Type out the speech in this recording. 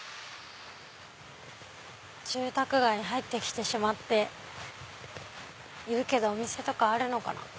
住宅街に入ってきてしまっているけどお店とかあるのかな？